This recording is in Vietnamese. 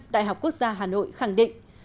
đại học quốc gia hà nội khẳng định